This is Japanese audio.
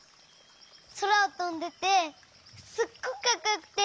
そらをとんでてすっごくかっこよくて。